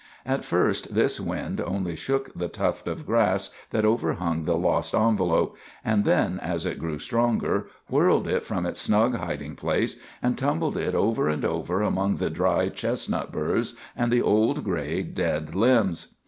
At first this wind only shook the tuft of grass that overhung the lost envelop, and then, as it grew stronger, whirled it from its snug hiding place, and tumbled it over and over among the dry chestnut burs and the old, gray, dead limbs.